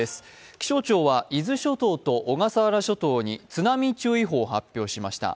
気象庁は伊豆諸島と小笠原諸島に津波注意報を発表しました。